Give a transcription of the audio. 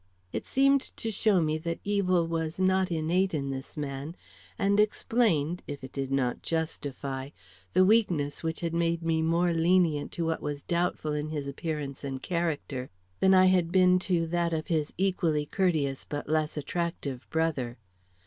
It seemed to show me that evil was not innate in this man, and explained, if it did not justify, the weakness which had made me more lenient to what was doubtful in his appearance and character than I had been to that of his equally courteous but less attractive brother.